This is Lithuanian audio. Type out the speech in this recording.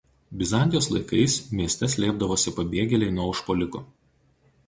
Bizantijos laikais mieste slėpdavosi pabėgėliai nuo užpuolikų.